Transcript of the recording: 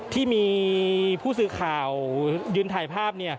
ที่มีผู้สื่อข่าวยืนถ่ายภาพ